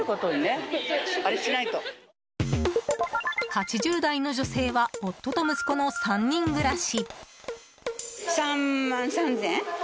８０代の女性は夫と息子の３人暮らし。